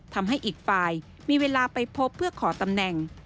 ทำให้อีกฝ่ายมีเวลาไปพบเพื่อขอตำแหน่ง